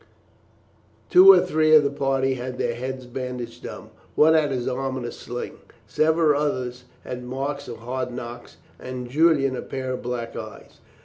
Two or three of the party had their heads bandaged up; one had his arm in a sling; several others had marks of hard knocks, and Julian a pair of black eyes.